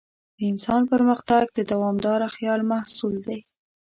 د انسان پرمختګ د دوامداره خیال محصول دی.